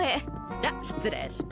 じゃ失礼して。